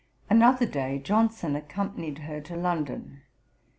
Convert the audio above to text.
Another day, Johnson accompanied her to London.